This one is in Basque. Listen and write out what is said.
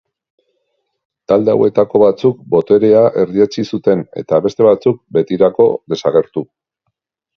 Talde hauetako batzuk boterea erdietsi zuten eta beste batzuk betirako desagertu.